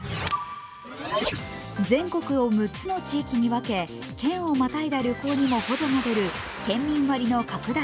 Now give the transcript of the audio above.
全国を６つの地域に分け県をまたいだ旅行にも補助が出る県民割の拡大